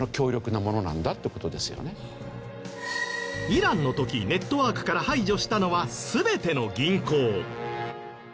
イランの時ネットワークから排除したのは全ての銀行。